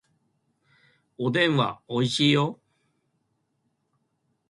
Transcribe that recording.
おでんはおいしいよ